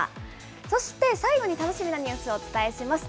そして、最後に楽しみなニュースをお伝えします。